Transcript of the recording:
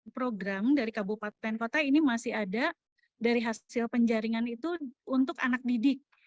program dari kabupaten kota ini masih ada dari hasil penjaringan itu untuk anak didik